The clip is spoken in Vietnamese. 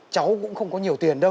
cháu cũng không có nhiều tiền đâu